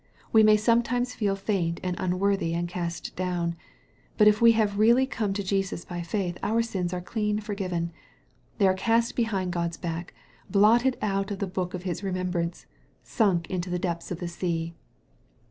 We may sometimes feel faint, and unworthy, and cast down. But if we have really corne to Jesus by faith, our sins are clean forgiven. They are cast behind God's back blotted out of the book of His remembrance sunk into the depths of the sea.